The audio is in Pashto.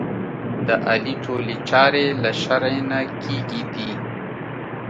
د علي ټولې چارې له شرعې نه کېږي دي.